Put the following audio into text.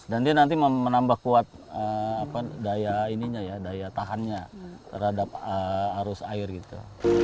dia nanti menambah kuat daya tahannya terhadap arus air gitu